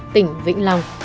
tỉnh vĩnh long